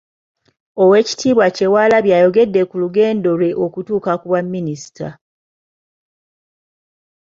Oweekitiibwa Kyewalabye ayogedde ku lugendo lwe okutuuka ku Bwa minisita.